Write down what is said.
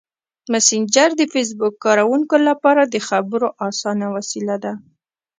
مسېنجر د فېسبوک کاروونکو لپاره د خبرو اسانه وسیله ده.